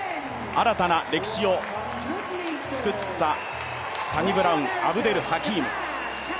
新たな歴史を作ったサニブラウン・アブデルハキーム。